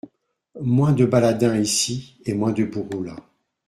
Moins de baladins ici, et moins de bourreaux là.